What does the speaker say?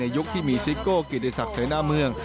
ในยุคที่มีซิทโกคิตติศักดิ์สักในหน้าเมือง